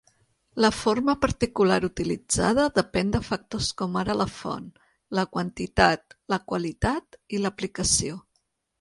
La forma particular utilitzada depèn de factors com ara la font, la quantitat, la qualitat i l'aplicació.